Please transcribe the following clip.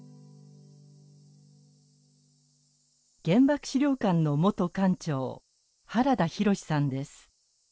原爆資料館の元館長原田浩さんです。